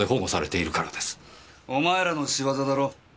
お前らの仕業だろ。